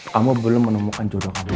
kamu belum menemukan jodoh kami